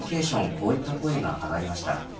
こういった声が上がりました。